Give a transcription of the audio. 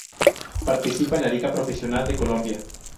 Participa en la Liga Profesional de Colombia.